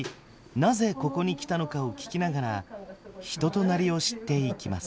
なぜここに来たのかを聞きながら人となりを知っていきます。